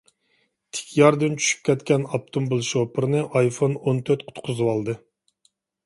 تىك ياردىن چۈشۈپ كەتكەن ئاپتوموبىل شوپۇرىنى ئايفون ئون تۆت قۇتقۇزۋالدى.